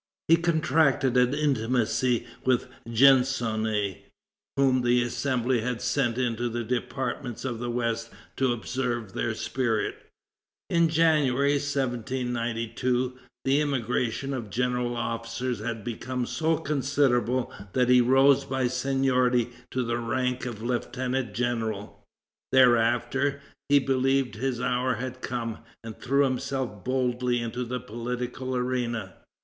He contracted an intimacy with Gensonné, whom the Assembly had sent into the departments of the west to observe their spirit. In January, 1792, the emigration of general officers had become so considerable that he rose by seniority to the rank of lieutenant general. Thereafter, he believed his hour had come, and threw himself boldly into the political arena.